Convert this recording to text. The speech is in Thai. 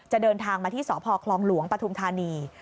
เดินทางมาที่สพคลองหลวงปฐุมธานี